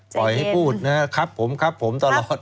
ปล่อยให้พูดนะครับผมครับผมตลอด